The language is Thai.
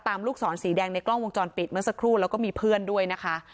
ลูกศรสีแดงในกล้องวงจรปิดเมื่อสักครู่แล้วก็มีเพื่อนด้วยนะคะ